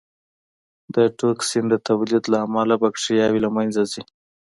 د ټوکسین د تولید له امله بکټریاوې له منځه ځي.